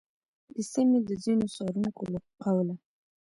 د سیمې د ځینو څارونکو له قوله،